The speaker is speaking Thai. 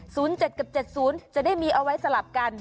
ศูนย์๗กับ๗ศูนย์จะได้มีเอาไว้สลับกัน